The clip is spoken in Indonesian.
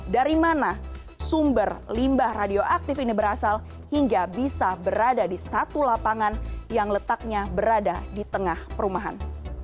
dari mana sumber limbah radioaktif ini berasal hingga bisa berada di satu lapangan yang letaknya berada di tengah perumahan